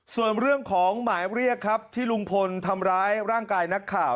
ส่วนเรื่องของหมายเรียกครับที่ลุงพลทำร้ายร่างกายนักข่าว